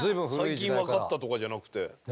最近分かったとかじゃなくて。